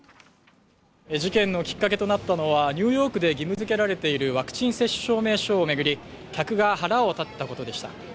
事件のきっかけとなったのは、ニューヨークで義務付けられているワクチン接種証明書を巡り、客が腹を立てたことでした。